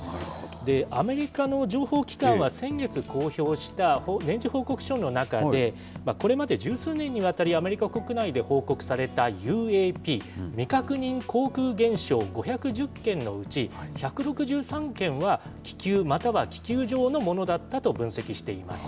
アメリカの情報機関は先月公表した年次報告書の中で、これまで十数年にわたり、アメリカ国内で報告されたＵＡＰ・未確認航空現象５１０件のうち、１６３件は、気球または気球状のものだったと分析しています。